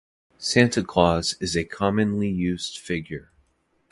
Santa Claus is a commonly used figure.